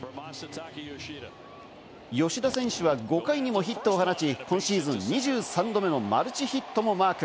吉田選手は５回にもヒットを放ち、今シーズン２３度目のマルチヒットもマーク。